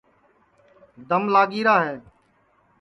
دم لاگی را ہے